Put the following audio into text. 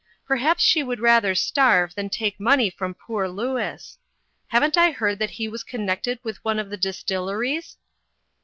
Perhaps she would rather starve than take money from poor Louis. Haven't I heard that he was con nected with one of the distilleries?"